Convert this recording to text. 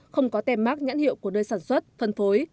không có tem mát nhãn hiệu của nơi sản xuất phân phối